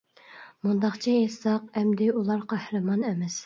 مۇنداقچە ئېيتساق، ئەمدى ئۇلار قەھرىمان ئەمەس.